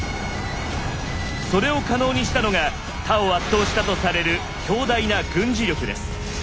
それを可能にしたのが他を圧倒したとされる強大な「軍事力」です。